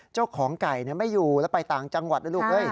เจ้าของไก่ไม่อยู่แล้วไปต่างจังหวัดนะลูก